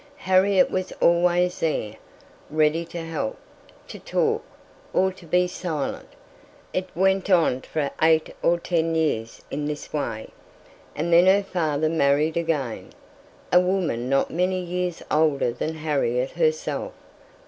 Harriet was always there, ready to help, to talk, or to be silent. It went on for eight or ten years in this way; and then her father married again, a woman not many years older than Harriet herself.